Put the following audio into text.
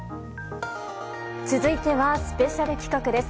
続いてはスペシャル企画です。